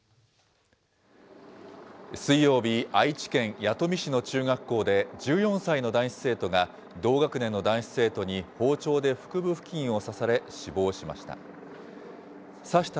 水曜日、愛知県弥富市の中学校で、１４歳の男子生徒が、同学年の男子生徒に包丁で腹部付近を刺され、死亡しました。